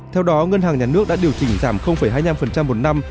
theo đó ngân hàng nhà nước đã điều chỉnh giảm hai mươi năm một năm